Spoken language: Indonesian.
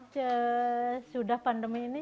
sesudah pandemi ini